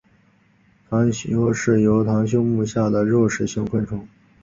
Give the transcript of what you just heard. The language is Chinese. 螳䗛是螳䗛目下的肉食性昆虫。